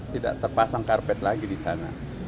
tidak terpasang karpet lagi di sana